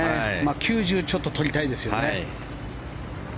９、１０ちょっととりたいですよね。